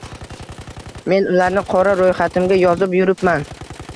Men ularni Qora ro`yxatimga yozib yuribman